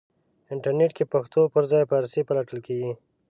انټرنېټ کې پښتو پرځای فارسی پلټل کېږي.